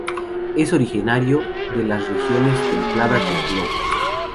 Es originario de las regiones templadas del globo.